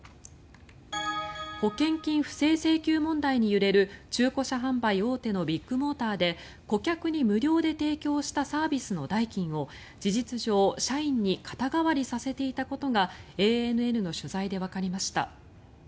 保険金不正請求問題に揺れる中古車販売大手のビッグモーターで顧客に無料で提供したサービスの代金を事実上、社員に肩代わりさせていたことがＡＮＮの取材でわかりました。